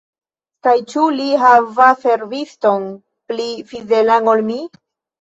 Kaj ĉu li havas serviston pli fidelan ol mi?